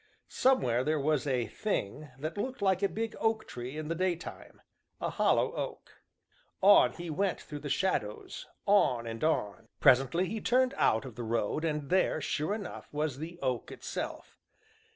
Somewhere there was a "thing" that looked like a big oak tree in the daytime a hollow oak. On he went through the shadows, on and on. Presently he turned out of the road, and there, sure enough, was the oak itself.